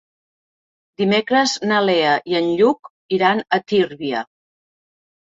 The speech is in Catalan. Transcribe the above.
Dimecres na Lea i en Lluc iran a Tírvia.